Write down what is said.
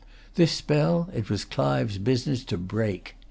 This spell it was Clive's business to break.